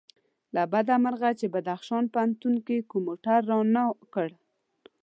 له بده مرغه چې بدخشان پوهنتون کوم موټر رانه کړ.